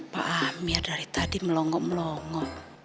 pak amir dari tadi melongo melongo